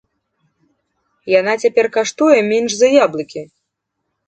Яна цяпер каштуе менш за яблыкі!